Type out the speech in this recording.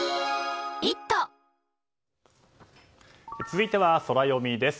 続いてはソラよみです。